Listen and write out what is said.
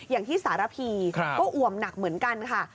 อย่างที่สารพีก็อ่วมหนักเหมือนกันค่ะ